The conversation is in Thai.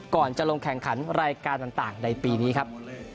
ก่อนจะลงแข่งขันรายการต่างในปีนี้ครับ